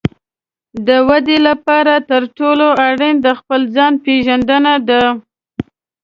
د ودې لپاره تر ټولو اړین د خپل ځان پېژندنه ده.